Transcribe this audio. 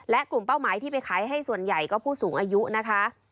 และกลุ่มเป้าหมายที่ไปขายให้ส่วนใหญ่ก็ผู้สูงอายุนะคะ